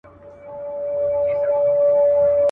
هم پرون په جنګ کي مړ دی هم سبا په سوله پړی دی.